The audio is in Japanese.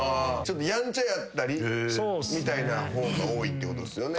やんちゃやったりみたいな方が多いってことですよね。